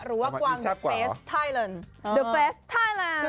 หรูว่าควางอิสวาง